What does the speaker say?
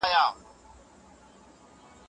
آیا د مار زهرو اغېز د لړم تر زهرو چټک دی؟